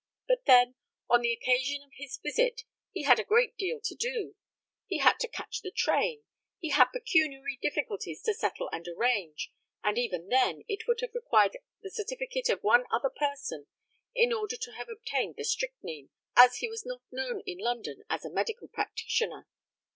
But, then, on the occasion of his visit he had a great deal to do; he had to catch the train; he had pecuniary difficulties to settle and arrange; and even then it would have required the certificate of one other person in order to have obtained the strychnine, as he was not known in London as a medical practitioner.